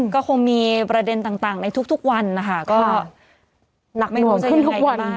ก็คงมีประเด็นต่างในทุกวันนะคะก็นักนวมจะยังไงบ้าง